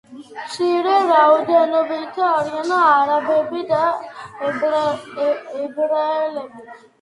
მცირე რაოდენობით არიან არაბები და ებრაელებიც.